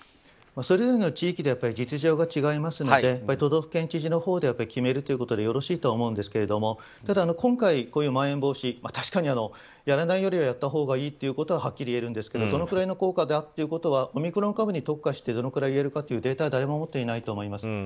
それぞれの地域で実情が違いますので都道府県知事のほうで決めるということでよろしいと思うんですけどもただ今回、まん延防止確かにやらないよりはやったほうがいいということははっきり言えるんですけどどのぐらいの効果かというのはオミクロン株に特化してどのくらい言えるかというデータは誰も持っていないと思います。